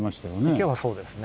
池はそうですね。